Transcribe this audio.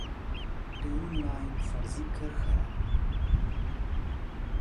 ډیورنډ لاین فرضي کرښه ده